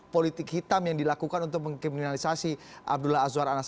politik hitam yang dilakukan untuk mengkriminalisasi abdullah azwar anas